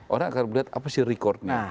orang akan melihat apa sih recordnya